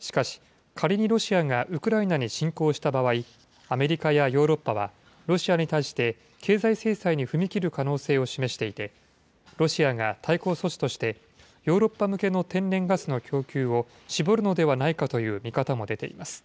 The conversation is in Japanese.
しかし、仮にロシアがウクライナに侵攻した場合、アメリカやヨーロッパは、ロシアに対して、経済制裁に踏み切る可能性を示していて、ロシアが対抗措置として、ヨーロッパ向けの天然ガスの供給を絞るのではないかという見方も出ています。